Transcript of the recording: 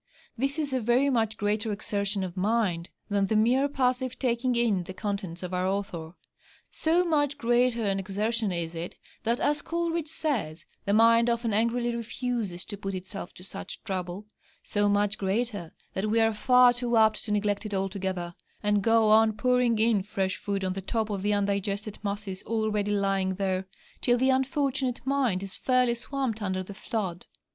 This is a very much greater exertion of mind than the mere passive taking in the contents of our Author. So much greater an exertion is it, that, as Coleridge says, the mind often 'angrily refuses' to put itself to such trouble so much greater, that we are far too apt to neglect it altogether, and go on pouring in fresh food on the top of the undigested masses already lying there, till the unfortunate mind is fairly swamped under the flood.